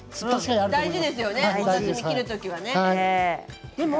大事ですよねお刺身切るときは。